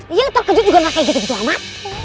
iya lo terkejut juga gak kayak gitu gitu amat